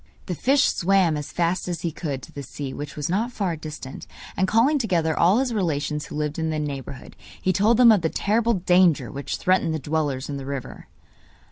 The fish swam as fast as he could to the sea, which was not far distant, and calling together all his relations who lived in the neighbourhood, he told them of the terrible danger which threatened the dwellers in the river.